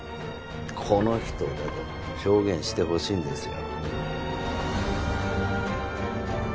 この人だと証言してほしいんですよ